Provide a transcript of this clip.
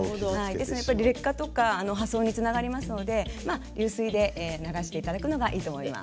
劣化や破損につながりますので流水で流していただくのがいいと思います。